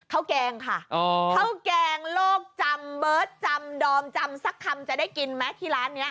แกงค่ะข้าวแกงโลกจำเบิร์ตจำดอมจำสักคำจะได้กินไหมที่ร้านนี้